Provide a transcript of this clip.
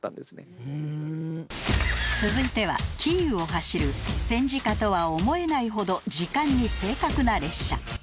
続いてはキーウを走る戦時下とは思えないほど時間に正確な列車